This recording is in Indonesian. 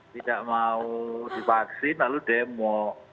tidak mau divaksin lalu demo